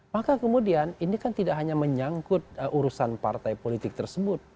maka kemudian ini kan tidak hanya menyangkut urusan partai politik tersebut